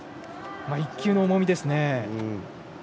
１球の重みですね。